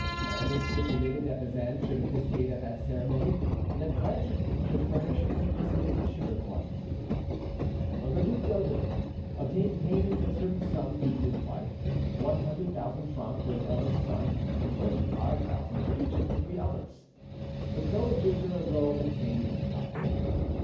Aramis stipulated that Bazin should officiate at that ceremony and that Planchet should furnish the christening sugar plums. The Duc d'Elbeuf obtained payment of certain sums due to his wife, one hundred thousand francs for his eldest son and twenty five thousand for each of the three others. The coadjutor alone obtained nothing.